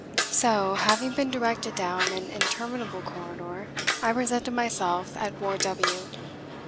So, having been directed down an interminable corridor, I presented myself at Ward W.